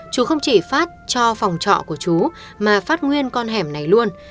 chú không chỉ phát cho phòng trọ của chú mà phát nguyên con hẻm này luôn